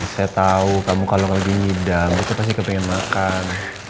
saya tau kamu kalo lagi ngidam itu pasti kepengen makan